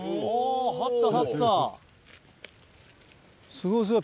すごいすごい。